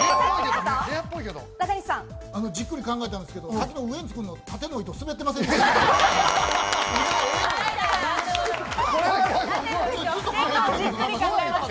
じっくり考えたんですけど、さっきのウエンツ君の縦の糸、滑ってませんでした？